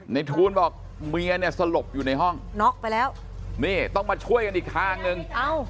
ทูลบอกเมียเนี่ยสลบอยู่ในห้องน็อกไปแล้วนี่ต้องมาช่วยกันอีกทางนึง